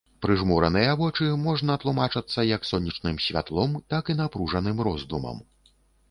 Прыжмураныя вочы можна тлумачацца як сонечным святлом, так і напружаным роздумам.